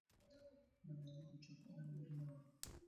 ملالۍ د چوپان لور نه وه.